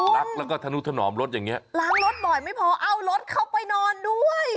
รักแล้วก็ธนุถนอมรถอย่างเงี้ล้างรถบ่อยไม่พอเอารถเข้าไปนอนด้วย